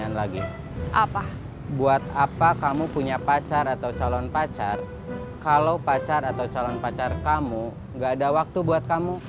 kalau pacar atau calon pacar kamu gak ada waktu buat kamu